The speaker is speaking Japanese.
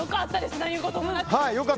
何事もなくて。